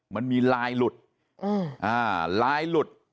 มันมีลายหลุดไลน์หลุด